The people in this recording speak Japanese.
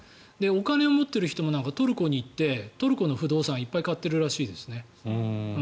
お金を持っている人はトルコに行ってトルコの不動産をいっぱい買ってるみたいですね。